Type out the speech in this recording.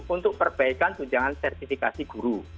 untuk perbaikan tunjangan sertifikasi guru